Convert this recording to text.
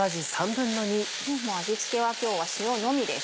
味付けは今日は塩のみです。